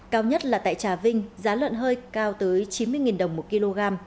cao nhất là tại trà vinh giá lợn hơi cao tới chín mươi đồng một kg